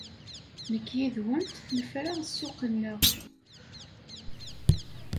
Nekk yid-went nefra ssuq-nneɣ.